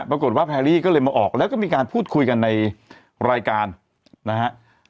ปรากฏว่าแพรรี่ก็เลยมาออกแล้วก็มีการพูดคุยกันในรายการนะฮะ